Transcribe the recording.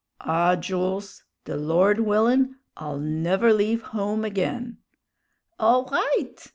"Ah, Jools, the Lord willin', I'll never leave home again!" "All right!"